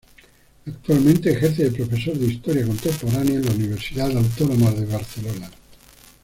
Actualmente ejerce de profesor de Historia contemporánea en la Universidad Autónoma de Barcelona.